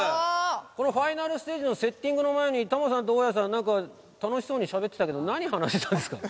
このファイナルステージのセッティングの前にタモリさんと大家さんなんか楽しそうにしゃべってたけど何話してたんですか？